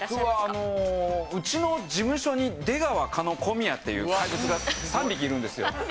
僕は、うちの事務所に出川、狩野、小宮っていう怪物が３匹いるんですよ。